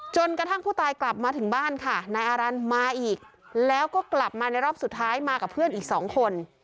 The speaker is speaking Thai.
จนกระทั่งผู้ตายกลับมาถึงบ้านค่ะนายอารันทร์มาอีกแล้วก็กลับมาในรอบสุดท้ายมากับเพื่อนอีกสองคน